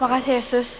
makasih ya sus